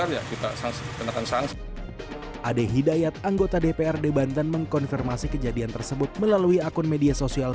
ade hidayat anggota dprd banten mengkonfirmasi kejadian tersebut melalui akun media sosial